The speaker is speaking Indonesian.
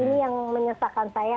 ini yang menyesalkan saya